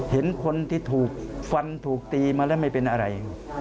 เห็นคนที่ถูกฟันถูกตีมาแล้วไม่เป็นอะไร